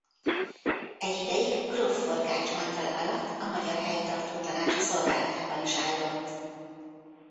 Egy ideig gróf Forgách Antal alatt a magyar helytartótanács szolgálatában is állott.